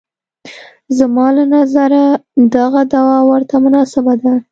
زما له نظره دغه دوا ورته مناسبه ده.